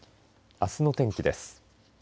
あすの天気です。